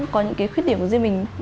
có những khuyết điểm của riêng mình